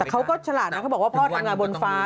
เขาก็ฉลาดนะเขาบอกว่าพ่อทำงานบนฟ้า